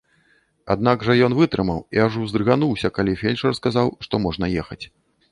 Аднак жа ён вытрымаў і аж уздрыгануўся, калі фельчар сказаў, што можна ехаць.